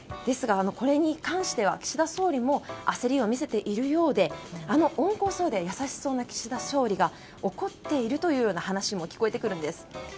ですが、これに関しては岸田総理も焦りを見せているようであの温厚そうで優しそうな岸田総理が怒っているという話も聞こえてくるんです。